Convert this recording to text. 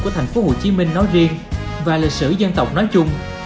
của tp hcm nói riêng và lịch sử dân tộc nói chung